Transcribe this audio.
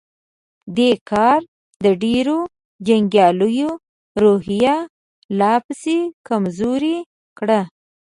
دې کار د ډېرو جنګياليو روحيه لا پسې کمزورې کړه.